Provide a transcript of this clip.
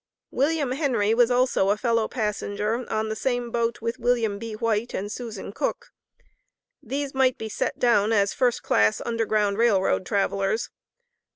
William Henry was also a fellow passenger on the same boat with William B. White and Susan Cooke. These might be set down, as first class Underground Rail Road travelers.